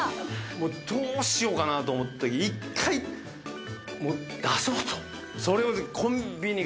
どうしようかなと思って、１回、出そうと。